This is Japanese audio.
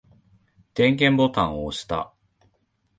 電源ボタンを押した。